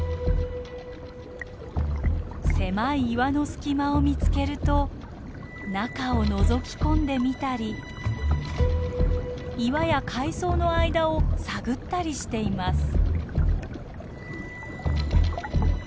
狭い岩の隙間を見つけると中をのぞき込んでみたり岩や海藻の間を探ったりしています。